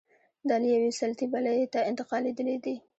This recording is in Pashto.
دا له یوې سلطې بلې ته انتقالېدل دي.